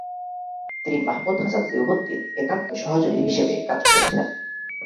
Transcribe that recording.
তিনি মাহমুদ হাসান দেওবন্দির একান্ত সহযোগী হিসেবে কাজ করেছেন।